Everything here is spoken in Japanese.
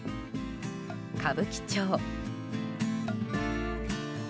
歌舞伎町。